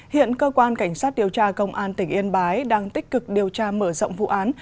hiện cơ quan cảnh sát điều tra công an tỉnh yên bái đang tích cực điều tra mở rộng vụ án